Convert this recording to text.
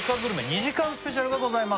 ２時間スペシャルがございます